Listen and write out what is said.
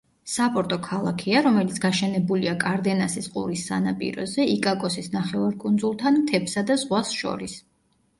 საპორტო ქალაქია, რომელიც გაშენებულია კარდენასის ყურის სანაპიროზე, იკაკოსის ნახევარკუნძულთან, მთებსა და ზღვას შორის.